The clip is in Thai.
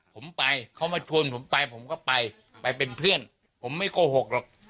ผมไปเขามาชวนผมไปผมก็ไปไปเป็นเพื่อนผมไม่โกหกหรอก